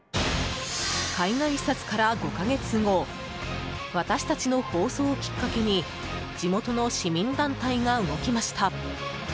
海外視察から５か月後私たちの放送をきっかけに地元の市民団体が動きました。